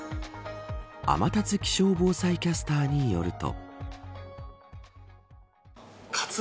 天達気象防災キャスターによると。